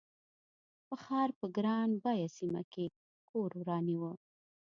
په ښار په ګران بیه سیمه کې کور رانیوه.